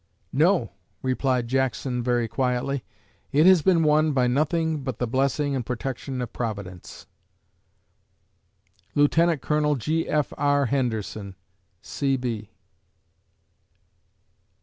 "No," replied Jackson very quietly, "it has been won by nothing but the blessing and protection of Providence." LIEUT. COL. G. F. R. HENDERSON, C.B.